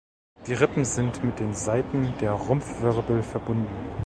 Die Rippen sind mit den Seiten der Rumpfwirbel verbunden.